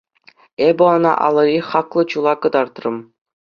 Эпӗ ӑна алӑри хаклӑ чула кӑтартрӑм.